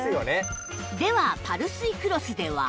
ではパルスイクロスでは